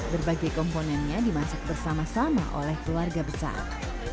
berbagai komponennya dimasak bersama sama oleh keluarga besar